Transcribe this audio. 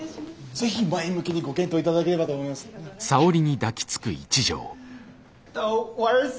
ぜひ前向きにご検討頂ければと思います。